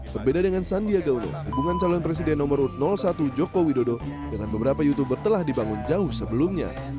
pembeda dengan sandi agaulo hubungan calon presiden nomor satu jokowi dodo dengan beberapa youtuber telah dibangun jauh sebelumnya